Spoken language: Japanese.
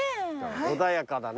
穏やかだね